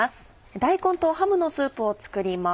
「大根とハムのスープ」を作ります。